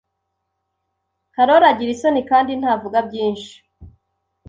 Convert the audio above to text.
Karoli agira isoni kandi ntavuga byinshi.